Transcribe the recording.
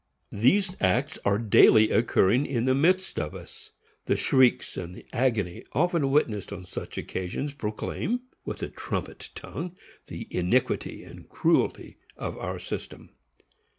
These acts are daily occurring in the midst of us. The shrieks and the agony often witnessed on such occasions proclaim with a trumpet tongue the iniquity and cruelty of our system.